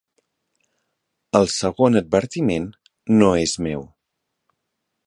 El segon advertiment no és meu.